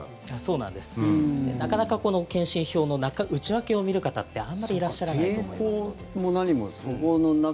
なかなか検針票の内訳を見る方ってあまりいらっしゃらないと思いますので。